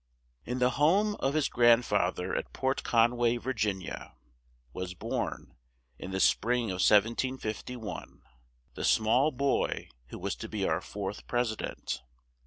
In the home of his grand fath er at Port Con way, Vir gin i a, was born, in the spring of 1751, the small boy who was to be our fourth Pres i dent.